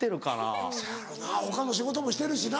そやろな他の仕事もしてるしな。